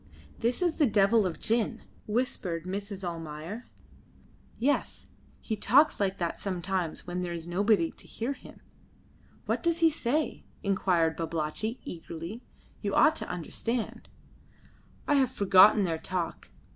"This is the devil of gin," whispered Mrs. Almayer. "Yes; he talks like that sometimes when there is nobody to hear him." "What does he say?" inquired Babalatchi, eagerly. "You ought to understand." "I have forgotten their talk.